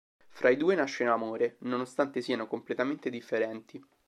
Fra i due nasce l'amore, nonostante siano completamente differenti.